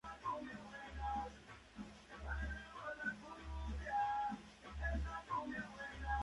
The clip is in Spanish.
De acuerdo con los Estatutos Nacionales, "se rigen por principios democráticos".